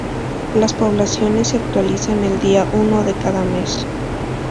Las poblaciones se actualizan el día uno de cada mes.